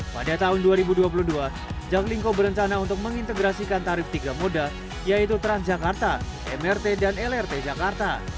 pada tahun dua ribu dua puluh dua jaklingko berencana untuk mengintegrasikan tarif tiga moda yaitu transjakarta mrt dan lrt jakarta